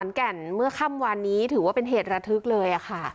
แก่นเมื่อค่ำวานนี้ถือว่าเป็นเหตุระทึกเลยค่ะ